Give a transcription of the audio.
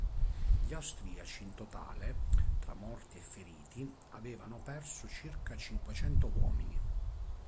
Gli austriaci in totale, tra morti e feriti avevano perso circa cinquecento uomini.